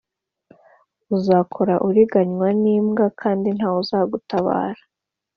uzahora uriganywa, wibwa kandi nta wuzagutabara